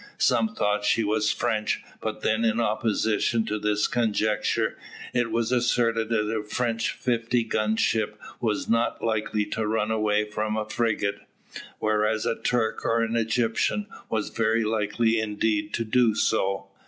Some thought she was French; but then in opposition to this conjecture, it was asserted that a French fifty gun ship was not likely to run away from a frigate, whereas a Turk or an Egyptian was very likely indeed to do so.